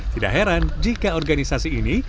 tidak heran jika organisasi ini